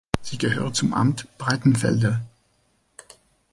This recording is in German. Sie gehört zum Amt Breitenfelde.